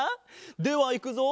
ではいくぞ。